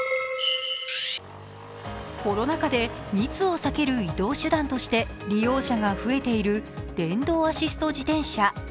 コロナ禍で密を避ける移動手段として利用者が増えている電動アシスト自転車。